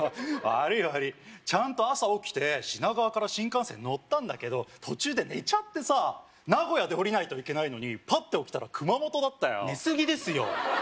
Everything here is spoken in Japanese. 悪い悪いちゃんと朝起きて品川から新幹線乗ったんだけど途中で寝ちゃってさ名古屋で降りないといけないのにパッて起きたら熊本だったよ寝すぎですよ